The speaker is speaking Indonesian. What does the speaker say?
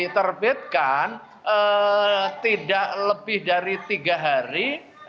diterbitkan tidak lebih dari tiga hari